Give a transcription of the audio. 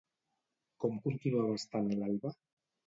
Com continuava estant l'Alba?